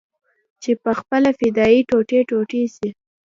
چې پخپله فدايي ټوټې ټوټې سي.